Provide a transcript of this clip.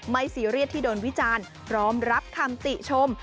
ซีเรียสที่โดนวิจารณ์พร้อมรับคำติชม